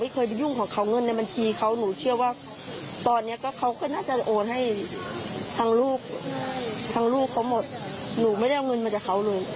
ทั้งลูกเขาหมดหนูไม่ได้เอาเงินมาจากเขาเลย